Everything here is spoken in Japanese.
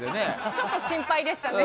ちょっと心配でしたね。